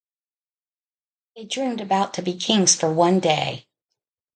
They dreamed about to be kings for one day.